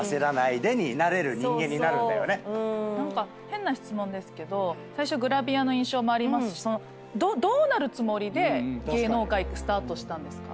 変な質問ですけど最初グラビアの印象もありますしどうなるつもりで芸能界スタートしたんですか？